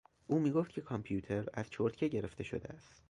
او میگفت که کامپیوتر از چرتکه گرفته شده است.